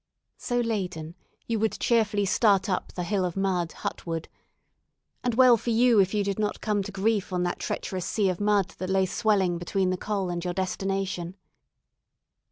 So laden, you would cheerfully start up the hill of mud hutward; and well for you if you did not come to grief on that treacherous sea of mud that lay swelling between the Col and your destination.